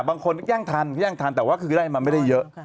บางคนแย่งทันแย่งทันแต่ว่าคือไล่มาไม่ได้เยอะ